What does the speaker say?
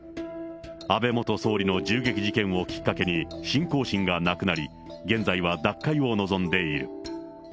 安倍元総理の銃撃事件をきっかけに信仰心がなくなり、現在は脱会を望んでいる。